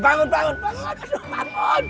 bangun bangun bangun